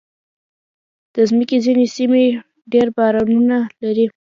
د مځکې ځینې سیمې ډېر بارانونه لري.